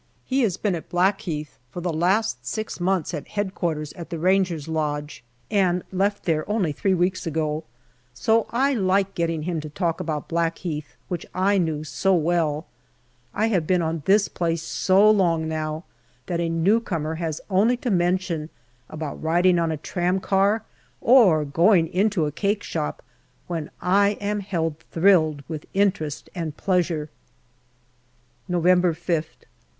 He has been at Blackheath for the last six months at Headquarters at the Ranger's Lodge, and left there only three weeks ago, so I like getting him to talk about Blackheath, which I knew so well. I have been on this place so long now, that a new comer has only to mention about riding on a tramcar or going into a cakeshop, when I am held thrilled with interest and pleasure. November 5th.